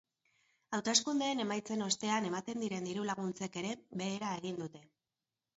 Hauteskundeen emaitzen ostean ematen diren diru-laguntzek ere behera egin dute.